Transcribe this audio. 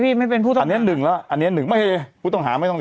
พี่บอกว่าไอ้หลายอันแน่อันนี้๑แล้วอันนี้๑ไม่พี่ต้องหาไม่ต้องดิ